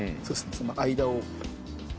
その間を。